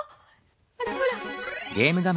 ほらほら！